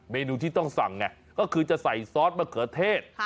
เมนูที่ต้องสั่งไงก็คือจะใส่ซอสมะเขือเทศ